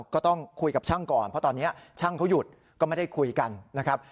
ก็ต้องคุยกับช่างก่อนเพราะตอนนี้ช่างเขาหยุดก็ไม่ได้คุยกันนะครับ